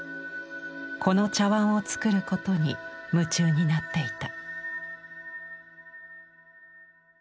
この茶碗を作ることに夢中になっていた。